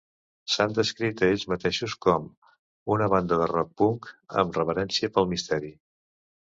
S'han descrit a ells mateixos com ... una banda de rock punk amb reverència pel misteri.